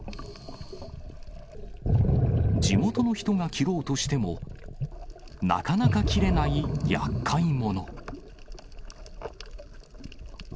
地元の人が切ろうとしても、なかなか切れないやっかい者。